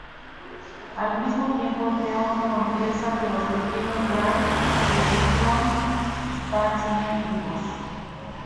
Al mismo tiempo, Theon confiesa que los pequeños Bran y Rickon Stark siguen vivos.